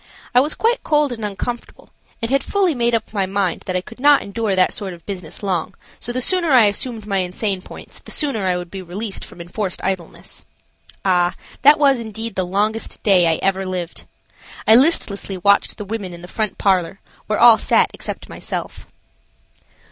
I was quite cold and uncomfortable, and had fully made up my mind that I could not endure that sort of business long, so the sooner I assumed my insane points the sooner I would be released from enforced idleness. Ah! that was indeed the longest day I had ever lived. I listlessly watched the women in the front parlor, where all sat except myself.